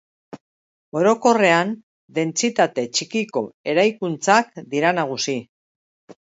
Orokorrean dentsitate txikiko eraikuntzak dira nagusi.